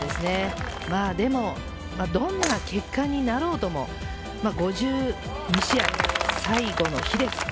でもどんな結果になろうとも５２試合、最後の日です。